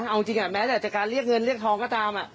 เอาจริงแม้แต่จากการเรียกเงินเรียกทองก็ตาม